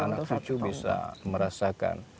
anak cucu bisa merasakan